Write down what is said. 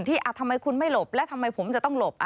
ทำไมคุณไม่หลบแล้วทำไมผมจะต้องหลบ